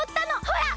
ほら！